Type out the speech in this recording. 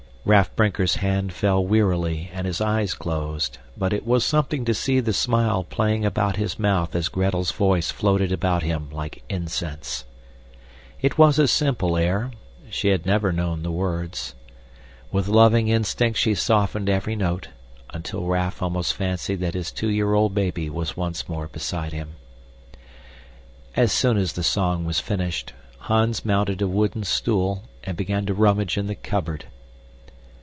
Raff Brinker's hand fell wearily and his eyes closed, but it was something to see the smile playing about his mouth as Gretel's voice floated about him like incense. It was a simple air; she had never known the words. With loving instinct she softened every note, until Raff almost fancied that his two year old baby was once more beside him. As soon as the song was finished, Hans mounted a wooden stool and began to rummage in the cupboard.